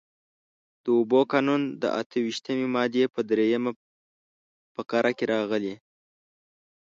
د اوبو قانون د اته ویشتمې مادې په درېیمه فقره کې راغلي.